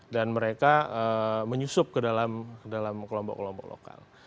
dan mereka menyusup ke dalam kelompok kelompok lokal